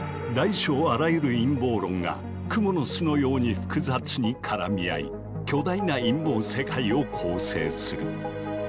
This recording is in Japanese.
大小あらゆる陰謀論が蜘蛛の巣のように複雑に絡み合い巨大な陰謀世界を構成する。